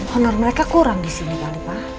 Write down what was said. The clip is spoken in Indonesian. honor mereka kurang disini kali pak